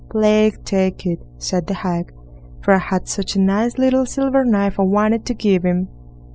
"Plague take it", said the hag, "for I had such a nice little silver knife I wanted to give him."